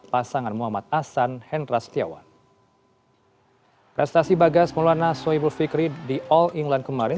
pasangan muhammad hasan hendra setiawan prestasi bagas melana soebol fikri di all inland kemarin